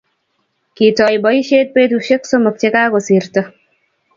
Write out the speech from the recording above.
Kitoi boisiet petusiek somok che ki kakosirto